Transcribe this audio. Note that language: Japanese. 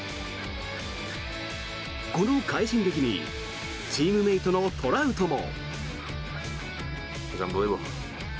この快進撃にチームメートのトラウトも。